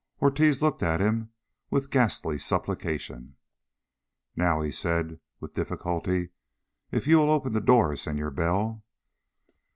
Ortiz looked at him with a ghastly supplication. "Now," he said with difficulty, "if you will open the door, Senor Bell...."